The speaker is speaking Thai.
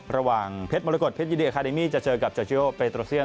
ระหว่างเพชรมรกฎเพชรยีดีอาคาเดมีจะเจอกับเจาเชียวเปทรอสเซียน